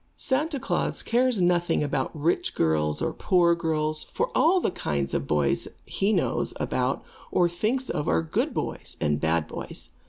Santa Klaas cares nothing about rich girls or poor girls, for all the kinds of boys he knows about or thinks of are good boys and bad boys.